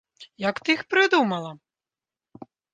Як ты іх прыдумала?